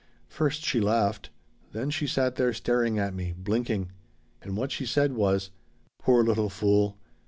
First she laughed. Then she sat there staring at me blinking. And what she said was: 'Poor little fool.